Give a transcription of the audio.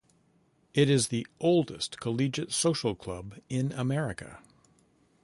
It is the oldest collegiate social club in America.